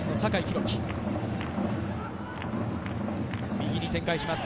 右に展開します。